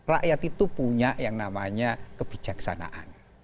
rakyat itu punya yang namanya kebijaksanaan